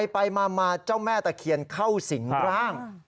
ไปมาเจ้าแม่ตะเคียนเข้าสิงร่าง